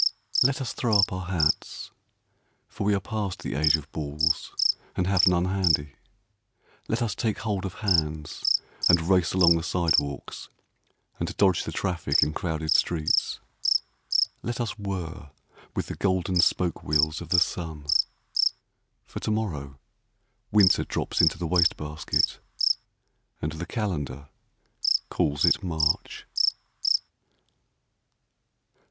Let us throw up our hats, For we are past the age of balls And have none handy. Let us take hold of hands, And race along the sidewalks, And dodge the traffic in crowded streets. Let us whir with the golden spoke wheels Of the sun. For to morrow Winter drops into the waste basket, And the calendar calls it March.